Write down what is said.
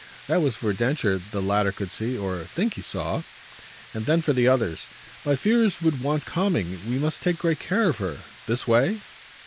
That was for Densher, the latter could see, or think he saw. And then for the others: "MY fears would want calming. We must take great care of her. This way?"